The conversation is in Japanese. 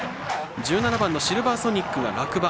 １７番のシルヴァーソニックが落馬。